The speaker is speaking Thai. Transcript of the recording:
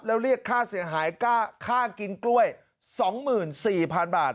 แล้วเรียกค่าเสียหายค่ากินกล้วย๒๔๐๐๐บาท